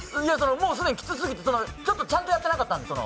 もう既にきつすぎて、ちょっとちゃんとやってなかったんで。